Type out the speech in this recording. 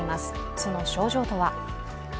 その症状とは。